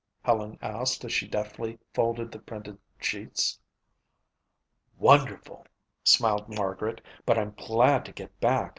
Helen asked as she deftly folded the printed sheets. "Wonderful," smiled Margaret, "but I'm glad to get back.